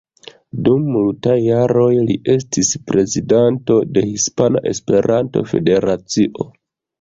Dum multaj jaroj li estis prezidanto de Hispana Esperanto-Federacio.